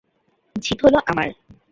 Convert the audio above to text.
জিত হল আমার।